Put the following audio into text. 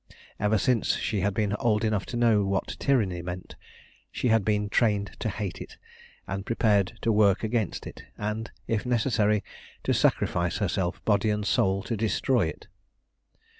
Ever since she had been old enough to know what tyranny meant, she had been trained to hate it, and prepared to work against it, and, if necessary, to sacrifice herself body and soul to destroy it.